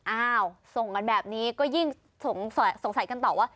อ้าวส่งกันแบบนี้ก็ยิ่งสงสัยกันต่อว่า